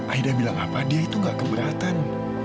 aida bilang apa dia itu gak keberatan